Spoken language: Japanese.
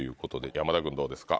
山田君どうですか？